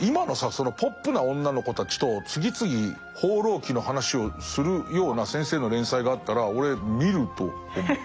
そのポップな女の子たちと次々「放浪記」の話をするような先生の連載があったら俺見ると思う。